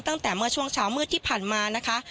ตั้งแต่เมื่อช่วงเช้ามืดที่ผ่านมานะคะ